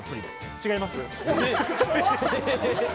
違います。